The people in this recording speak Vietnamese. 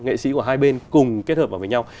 nghệ sĩ của hai bên cùng kết hợp vào với nhau